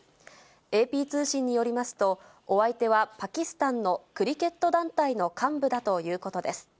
ＡＰ通信によりますと、お相手はパキスタンのクリケット団体の幹部だということです。